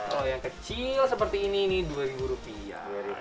kalau yang kecil seperti ini nih dua ribu rupiah